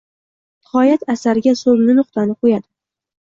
Nihoyat, asariga soʻnggi nuqtani qoʻyadi